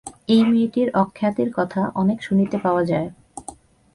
এই মেয়েটির অখ্যাতির কথা অনেক শুনিতে পাওয়া যায়।